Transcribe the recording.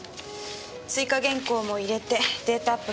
追加原稿も入れてデータアップ完了。